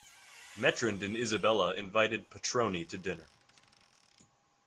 Metrand and Isabelle invite Patroni to dinner.